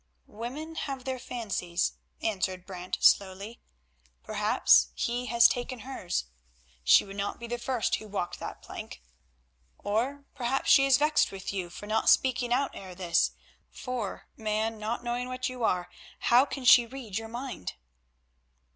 "Women have their fancies," answered Brant, slowly; "perhaps he has taken hers; she would not be the first who walked that plank. Or, perhaps, she is vexed with you for not speaking out ere this; for, man, not knowing what you are, how can she read your mind?"